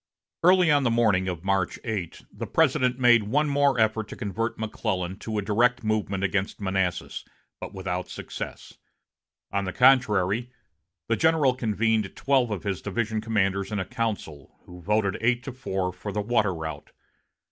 Early on the morning of March 8, the President made one more effort to convert McClellan to a direct movement against Manassas, but without success. On the contrary, the general convened twelve of his division commanders in a council, who voted eight to four for the water route.